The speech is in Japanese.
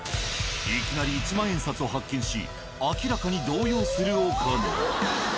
いきなり１万円札を発見し明らかに動揺する岡野。